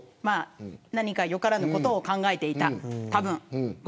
何かよからぬことを考えていた、たぶん。